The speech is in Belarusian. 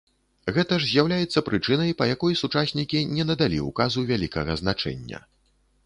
Гэта ж з'яўляецца прычынай, па якой сучаснікі не надалі ўказу вялікага значэння.